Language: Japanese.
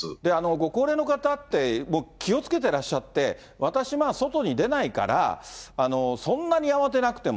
ご高齢の方って、気をつけてらっしゃって、私、外に出ないから、そんなに慌てなくても。